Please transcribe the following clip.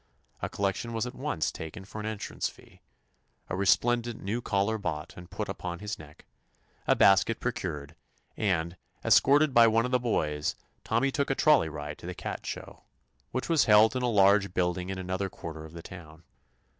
A collection was at once taken for an entrance fee, a resplendent new collar bought and 128 TOMMY POSTOFFICE put upon his neck, a basket procured, and, escorted by one of the boys. Tommy took a trolley ride to the cat show, which was held in a large build ing in another quarter of the town.